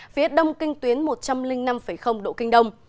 phía đông kinh tuyến một trăm linh năm độ kinh đông